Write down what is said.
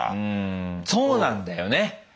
うんそうなんだよね。